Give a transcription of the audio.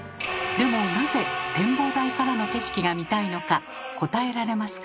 でもなぜ展望台からの景色が見たいのか答えられますか？